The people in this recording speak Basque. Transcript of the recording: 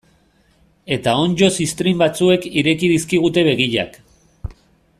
Eta onddo ziztrin batzuek ireki dizkigute begiak.